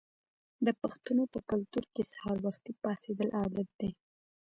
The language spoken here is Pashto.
د پښتنو په کلتور کې سهار وختي پاڅیدل عادت دی.